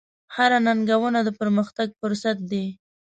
هره ننګونه د پرمختګ فرصت دی.